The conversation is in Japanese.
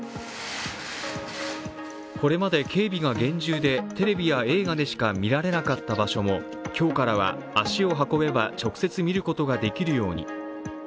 これまで警備が厳重でテレビや映画でしか見られなかった場所も、今日からは足を運べば直接見ることができるように。